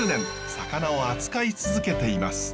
魚を扱い続けています。